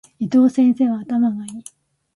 伊藤先生は頭が良い。